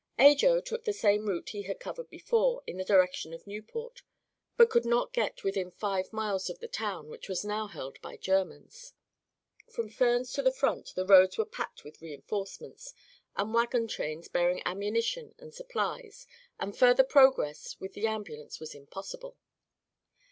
Ajo took the same route he had covered before, in the direction of Nieuport, but could not get within five miles of the town, which was now held by the Germans. From Furnes to the front the roads were packed with reinforcements and wagon trains bearing ammunition and supplies, and further progress with the ambulance was impossible.